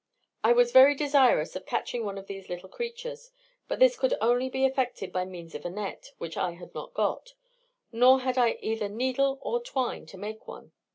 I was very desirous of catching one of these little creatures, but this could only be effected by means of a net, which I had not got, nor had I either needle or twine to make one.